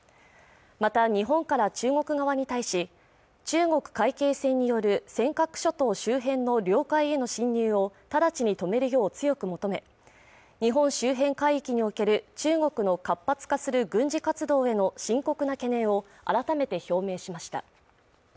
また日本から中国側に対し中国海警船による尖閣諸島周辺の領海への侵入を直ちに止めるよう強く求め日本周辺海域における中国の活発化する軍事活動への深刻な懸念を改めて表明しました